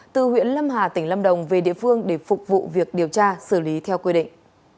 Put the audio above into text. từ huyện lâm hà tỉnh lâm đồng về địa phương để phục vụ việc điều tra xử lý theo quy định